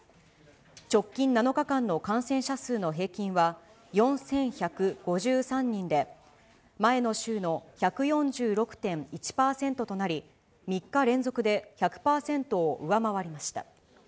直近７日間の感染者数の平均は４１５３人で、前の週の１４６．１％となり、３日連続で１００％を上回りました。